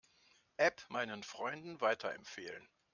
App meinen Freunden weiterempfehlen.